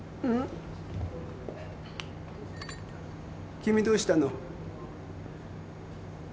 君どうしたの？